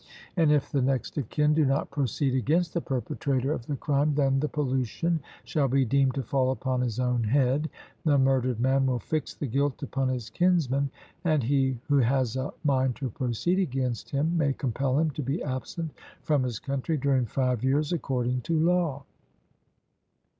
And if the next of kin do not proceed against the perpetrator of the crime, then the pollution shall be deemed to fall upon his own head the murdered man will fix the guilt upon his kinsman, and he who has a mind to proceed against him may compel him to be absent from his country during five years, according to law.